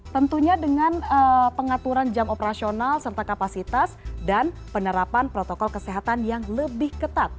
tentunya dengan pengaturan jam operasional serta kapasitas dan penerapan protokol kesehatan yang lebih ketat